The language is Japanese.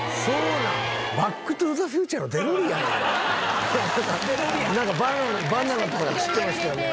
なんかバナナとかで走ってましたよね。